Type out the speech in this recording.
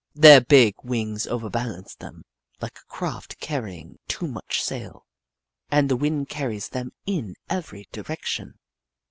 Their big wings overbalance them, like a craft carrying too much sail, and the wind carries them in every direction.